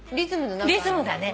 リズムだね。